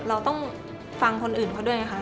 เราต้องฟังคนอื่นเขาด้วยไงคะ